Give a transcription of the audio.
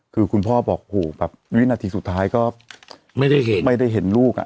คือคุณพ่อบอกโหแบบวินาทีสุดท้ายก็ไม่ได้เห็นลูกอ่ะ